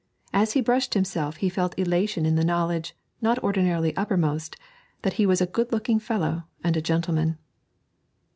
As he brushed himself he felt elation in the knowledge, not ordinarily uppermost, that he was a good looking fellow and a gentleman.